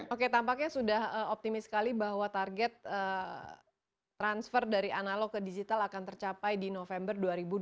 oke tampaknya sudah optimis sekali bahwa target transfer dari analog ke digital akan tercapai di november dua ribu dua puluh